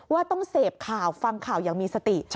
ว่าต้องเสพข่าวฟังข่าวอย่างมีสติ